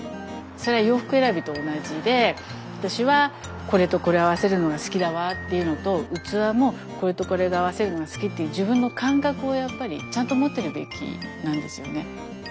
それは洋服選びと同じで私はこれとこれ合わせるのが好きだわっていうのと器もこれとこれで合わせるのが好きっていう自分の感覚をやっぱりちゃんと持ってるべきなんですよね。